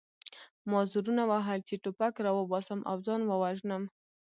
ما زورونه وهل چې ټوپک راوباسم او ځان ووژنم